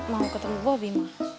mau ketemu bobi mas